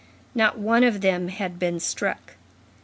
Not one of them had been struck.